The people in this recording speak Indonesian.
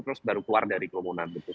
terus baru keluar dari kerumunan gitu